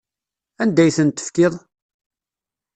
Anda ay tent-tefkiḍ?